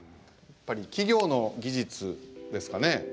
やっぱり企業の技術ですかね。